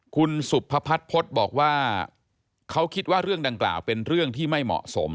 คุณสุภพัฒนพฤษบอกว่าเขาคิดว่าเรื่องดังกล่าวเป็นเรื่องที่ไม่เหมาะสม